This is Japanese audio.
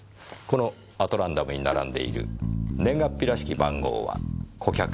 このアトランダムに並んでいる年月日らしき番号は顧客名の代わり。